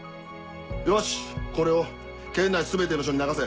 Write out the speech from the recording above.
よしこれを県内全ての署に流せ。